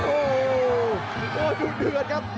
โอ้โหโอ้โหดูเดือดครับ